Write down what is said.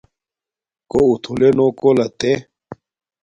کݸ اُتھُلݺ نݸ کݸ لَتݻ.